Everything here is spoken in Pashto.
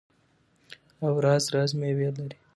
او راز راز میوې لري.